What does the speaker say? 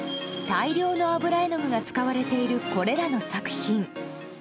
大量の油絵の具が使われているこれらの作品。